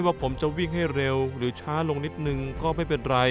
ว่าผมจะวิ่งให้เร็วหรือช้าลงนิดนึงก็ไม่เป็นไร